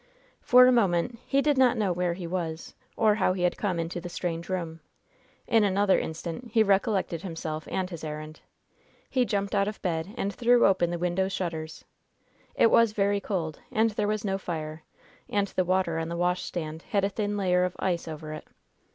For a moment he did not know where he was, or how he had come into the strange room. In another instant he recollected himself and his errand. He jumped out of bed and threw open the window shutters. It was very cold, and there was no fire, and the water on the washstand had a thin layer of ice over it.